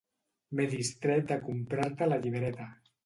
M'he distret de comprar-te la llibreta.